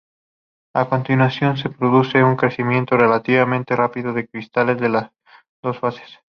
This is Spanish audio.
A continuación se produce un crecimiento relativamente rápido de cristales de las dos fases.